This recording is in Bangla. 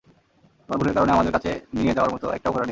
তোমার ভুলের কারণে আমাদের কাছে নিয়ে যাওয়ার মতো একটাও ঘোড়া নেই।